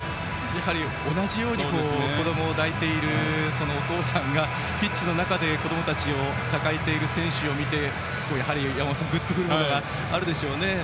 スタンドで見ているサポーターの目にもやはり同じように子どもを抱いているお父さんがピッチの中で子どもたちを抱えている選手を見てやはり山本さんぐっと来るものがあるでしょうね。